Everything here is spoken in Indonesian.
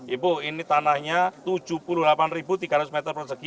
ibu ini tanahnya tujuh puluh delapan tiga ratus meter persegi